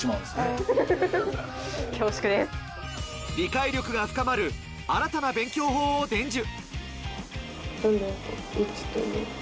理解力が深まる新たな勉強法を伝授。